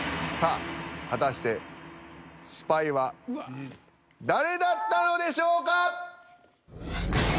さあ果たしてスパイは誰だったのでしょうか！？